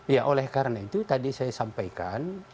ya oleh karena itu tadi saya sampaikan